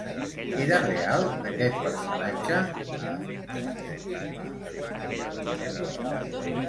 Era real aquest personatge?